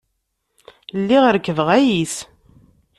Lliɣ rekkbeɣ ayis.